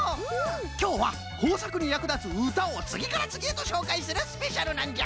きょうはこうさくにやくだつうたをつぎからつぎへとしょうかいするスペシャルなんじゃ！